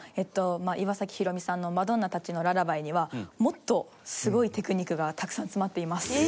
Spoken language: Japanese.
岩崎宏美さんの『聖母たちのララバイ』にはもっとすごいテクニックがたくさん詰まっています。